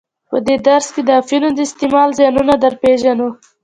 په دې درس کې د اپینو د استعمال زیانونه در پیژنو.